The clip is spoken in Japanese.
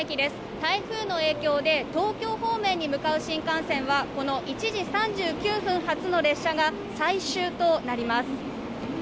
台風の影響で東京方面に向かう新幹線は、この１時３９分発の列車が最終となります。